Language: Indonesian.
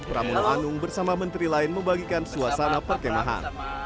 pramono anung bersama menteri lain membagikan suasana perkemahan